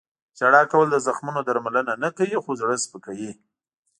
• ژړا کول د زخمونو درملنه نه کوي، خو زړه سپکوي.